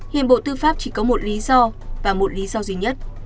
hiện bộ tư pháp chỉ có một lý do và một lý do duy nhất